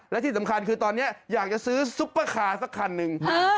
และที่สำคัญคือตอนนี้อยากจะซื้อซุปเปอร์คาร์สักคันหนึ่ง